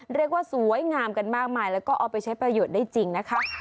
เรียกว่าสวยงามกันมากมายแล้วก็เอาไปใช้ประโยชน์ได้จริงนะคะ